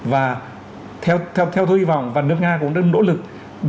và theo tôi hy vọng và nước nga cũng đơn đỗ lực